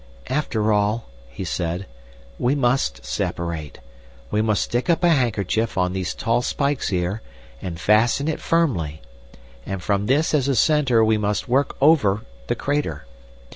"After all," he said, "we must separate. We must stick up a handkerchief on these tall spikes here and fasten it firmly, and from this as a centre we must work over the crater.